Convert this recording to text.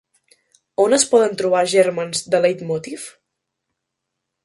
On es poden trobar gèrmens de leitmotiv?